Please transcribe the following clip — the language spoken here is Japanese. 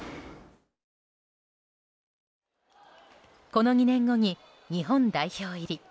この２年後に日本代表入り。